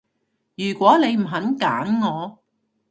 如果你唔肯揀我